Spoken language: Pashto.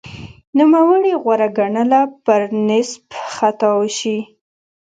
نوموړي غوره ګڼله پرنسېپ خطاب وشي